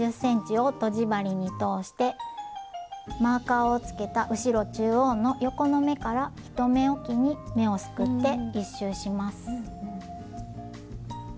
マーカーをつけた後ろ中央の横の目から１目おきに目をすくって１周します。